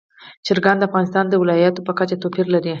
چرګان د افغانستان د ولایاتو په کچه توپیر لري.